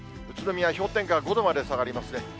宇都宮は氷点下５度まで下がりますね。